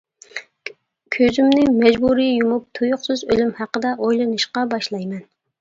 كۆزۈمنى مەجبۇرىي يۇمۇپ تۇيۇقسىز ئۆلۈم ھەققىدە ئويلىنىشقا باشلايمەن.